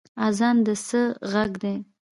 اذان د څه غږ دی؟